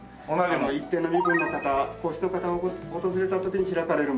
一定の身分の方皇室の方が訪れた時に開かれる門をですね